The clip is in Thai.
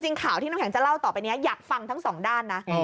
จริงข่าวที่น้องแหงจะเล่าต่อไปเนี้ยอยากฟังทั้งสองด้านนะอ๋อ